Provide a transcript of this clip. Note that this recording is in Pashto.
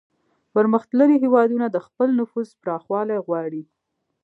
پرمختللي هیوادونه د خپل نفوذ پراخول غواړي